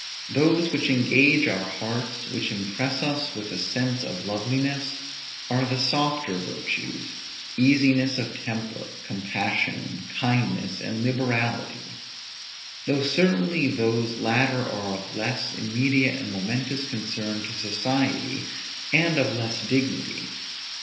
Those which engage our hearts, which impress us with a sense of loveliness, are the softer virtues; easiness of temper, compassion, kindness, and liberality; though certainly those latter are of less immediate and momentous concern to society, and of less dignity.